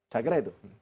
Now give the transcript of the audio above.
saya kira itu